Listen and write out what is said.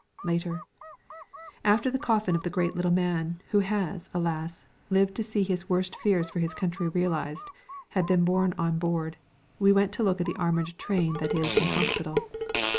Later. After the coffin of the great little man, who has, alas! lived to see his worst fears for his country realised, had been borne on board, we went to look at the armoured train that is in hospital.